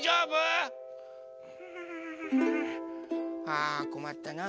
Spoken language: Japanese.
あこまったな。